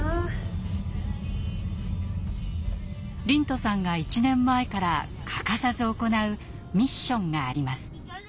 龍翔さんが１年前から欠かさず行うミッションがあります。